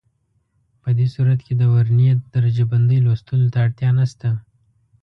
په دې صورت کې د ورنيې د درجه بندۍ لوستلو ته اړتیا نشته.